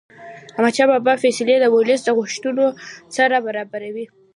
احمدشاه بابا فیصلې د ولس د غوښتنو سره برابرې وې.